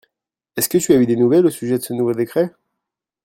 est-ce que tu as eu des nouvelles au sujet de ce nouveau décrêt ?